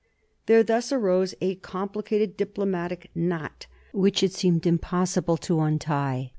There thus arose a complicated diplomatic knot which it seemed almost impossible to untie.